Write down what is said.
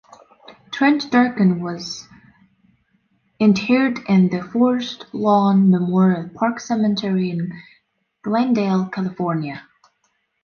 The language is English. Trent Durkin was interred in the Forest Lawn Memorial Park Cemetery in Glendale, California.